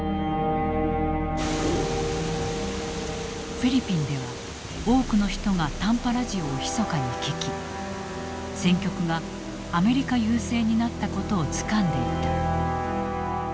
フィリピンでは多くの人が短波ラジオをひそかに聞き戦局がアメリカ優勢になったことをつかんでいた。